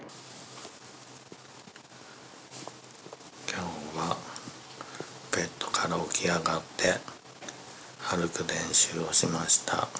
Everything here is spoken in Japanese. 今日はベッドから起き上がって歩く練習をしました